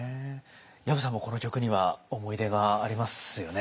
薮さんもこの曲には思い出がありますよね？